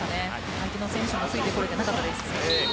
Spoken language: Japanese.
相手の選手もついてこれてなかったです。